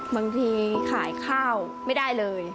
บางทีขายข้าวไม่ได้เลย